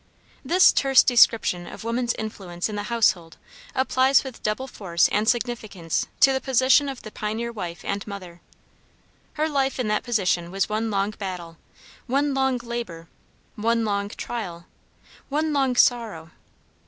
This terse description of woman's influence in the household applies with double force and significance to the position of the pioneer wife and mother. Her life in that position was one long battle, one long labor, one long trial, one long sorrow.